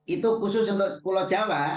itu khusus untuk pulau jawa